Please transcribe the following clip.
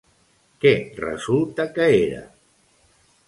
Què resulta que era?